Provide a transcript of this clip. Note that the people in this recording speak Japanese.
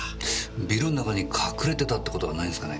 ビルの中に隠れてたって事はないんですかね？